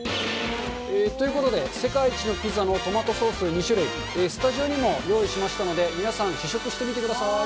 ということで、世界一のピザのトマトソース２種類、スタジオにも用意しましたので、皆さん、試食してみてください。